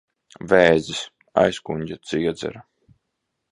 Vēzis. Aizkuņģa dziedzera.